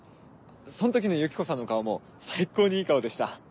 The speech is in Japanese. そん時のユキコさんの顔も最高にいい顔でした。